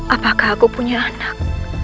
apakah aku punya anak